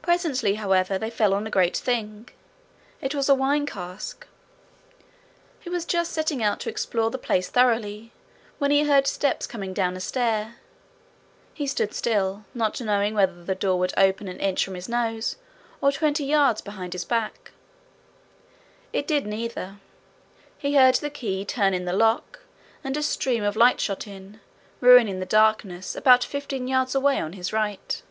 Presently, however, they fell on a great thing: it was a wine cask. He was just setting out to explore the place thoroughly, when he heard steps coming down a stair. He stood still, not knowing whether the door would open an inch from his nose or twenty yards behind his back. It did neither. He heard the key turn in the lock, and a stream of light shot in, ruining the darkness, about fifteen yards away on his right.